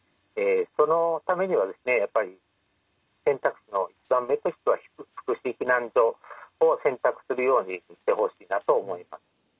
そのためにはですねやっぱり選択肢の１番目としては福祉避難所を選択するように言ってほしいなと思います。